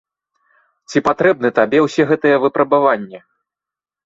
Ці патрэбны табе ўсе гэтыя выпрабаванні?